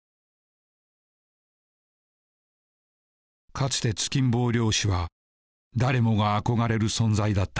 かつて突きん棒漁師は誰もが憧れる存在だった。